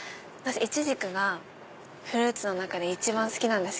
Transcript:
イチジクがフルーツの中で一番好きです。